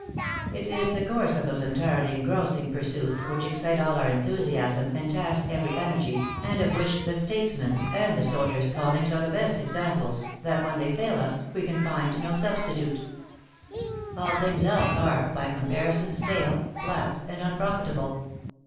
It is the curse of those entirely engrossing pursuits, which excite all our enthusiasm, and task every ener gy, arid of which the statesman s and the soldier s callings are the best examples, that, when they fail us, THE ACTKESS IN HIGH LIFE. 407 we can find no substitute. All things else are, by comparison, stale, flat, and unprofitable.